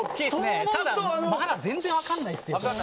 ただ、全然分からないですよ。